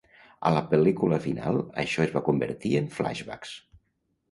A la pel·lícula final, això es va convertir en 'flashbacks'.